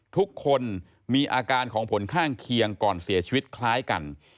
ทุกคนมีอาการของผลข้างเคียงก่อนเสียชีวิตคล้ายกัน